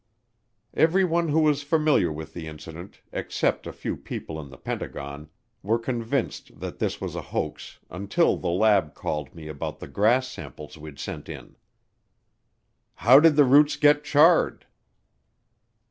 Everyone who was familiar with the incident, except a few people in the Pentagon, were convinced that this was a hoax until the lab called me about the grass samples we'd sent in. "How did the roots get charred?"